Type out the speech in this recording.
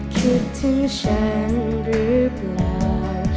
คิดถึงฉันหรือเปล่า